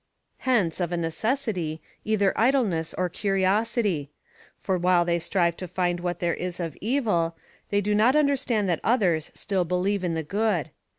Hence, of a necessity, either idleness or curiosity; for while they strive to find what there is of evil, they do not understand that others still believe in the good.